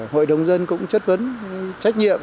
hội đồng dân cũng chất vấn trách nhiệm